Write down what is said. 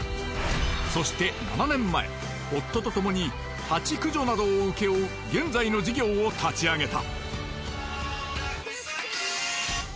そして７年前夫とともに蜂駆除などを請け負う現在の事業を立ち上げた。